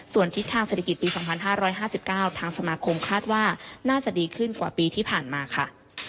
ส่วนทิศทางเศรษฐกิจปี๒๕๕๙ทางสมาคมคาดว่าน่าจะดีขึ้นกว่าปีที่ผ่านมาค่ะ